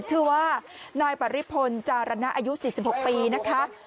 ชื่อว่านายปริพลจารณะอายุ๔๖ปีนะคะ